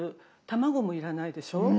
卵もいらないでしょ。